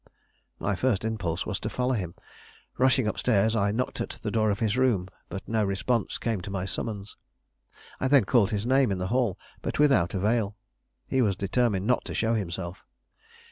My first impulse was to follow him. Rushing up stairs, I knocked at the door of his room, but no response came to my summons. I then called his name in the hall, but without avail; he was determined not to show himself.